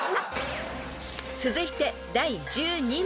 ［続いて第１２問］